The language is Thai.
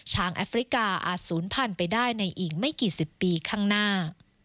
แอฟริกาอาจศูนย์พันธุ์ไปได้ในอีกไม่กี่สิบปีข้างหน้า